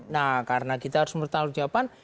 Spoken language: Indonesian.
nah karena kita harus mempertanggung jawaban